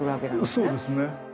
そうですね。